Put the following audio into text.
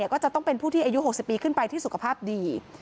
ก็จะต้องเป็นผู้ที่อายุ๖๐ปีขึ้นไปที่สุขภาพดี